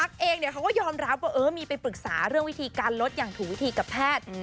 เองเขาก็ยอมรับว่ามีไปปรึกษาเรื่องวิธีการลดอย่างถูกวิธีกับแพทย์